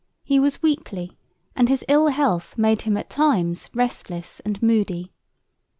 He was weakly, and his ill health made him at times restless and moody.